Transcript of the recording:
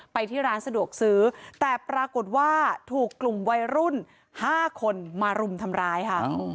ไปที่ร้านสะดวกซื้อแต่ปรากฏว่าถูกกลุ่มวัยรุ่น๕คนมารุมทำร้ายค่ะ